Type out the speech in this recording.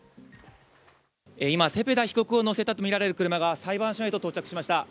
今、セペダ被告を乗せたとみられる車が裁判所へと到着しました。